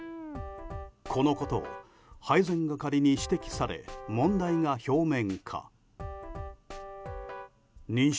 このことを配膳係に指摘され問題が表面化。